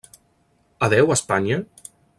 Adéu, Espanya?